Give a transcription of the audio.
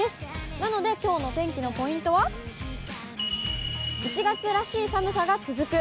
なので、きょうの天気のポイントは？１月らしい寒さが続く。